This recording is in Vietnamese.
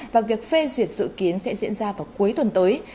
và việc phê duyệt dự kiến sẽ diễn ra vào cuối tuần tới